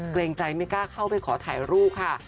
เกรงใจไม่กล้าเข้าไปขอถ่ายรูปค่ะ